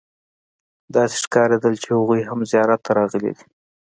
داسې ښکارېدل چې هغوی هم زیارت ته راغلي دي.